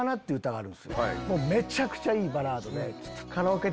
めちゃくちゃいいバラード。